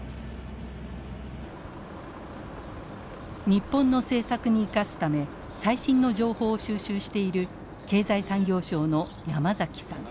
日本の政策に生かすため最新の情報を収集している経済産業省の山崎さん。